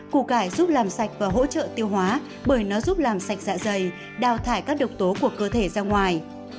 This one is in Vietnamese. củ cải giúp làm sạch và hỗ trợ tiêu hóa bởi nó giúp làm sạch dạ dày đào thải các độc tố của cơ thể ra ngoài